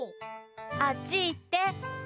あっちいって。